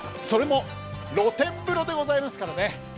それも露天風呂でございますからね。